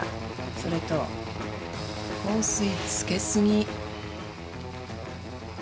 それと香水つけすぎ。